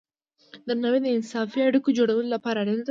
درناوی د انصافی اړیکو جوړولو لپاره اړین دی.